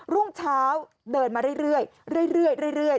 รุ่งเช้าเดินมาเรื่อย